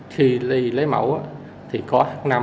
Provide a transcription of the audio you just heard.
khi lấy mẫu thì có h năm